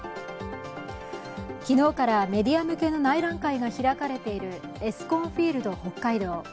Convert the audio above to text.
昨日からメディア向けの内覧会が開かれているＥＳＣＯＮＦＩＥＬＤＨＯＫＫＡＩＤＯ。